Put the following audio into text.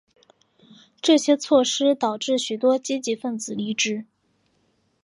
这些措施导致许多积极份子离职。